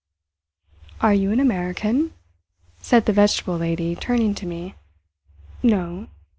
"Are you an American?" said the Vegetable Lady, turning to me. "No."